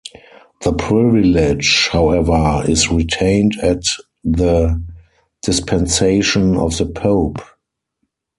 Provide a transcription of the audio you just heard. The privilege, however is retained at the dispensation of the Pope.